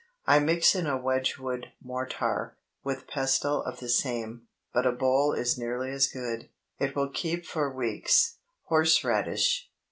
I mix in a Wedgewood mortar, with pestle of the same; but a bowl is nearly as good. It will keep for weeks. HORSE RADISH.